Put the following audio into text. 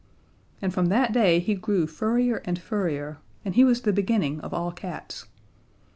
And from that day he grew furrier and furrier, and he was the beginning of all cats.